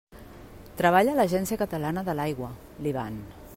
Treballa a l'Agència Catalana de l'Aigua, l'Ivan.